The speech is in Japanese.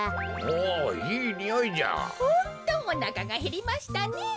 ホントおなかがへりましたねぇ。